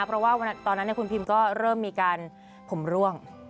เพราะว่าตอนนั้นคุณพิมก็เริ่มมีการผมร่วง